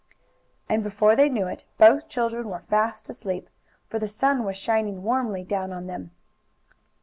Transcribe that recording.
And, before they knew it, both children were fast asleep, for the sun was shining warmly down on them.